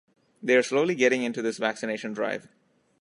They are slowly getting into this vaccination drive.